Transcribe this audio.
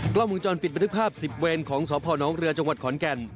กล้อมมือจอลปิดบรรทิปภาพสิบเวนของสภนเรือจังหวัดขอนแก่น